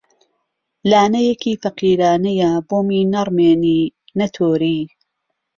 لانەیکی فەقیرانەیە بۆمی نەڕمێنی، نەتۆری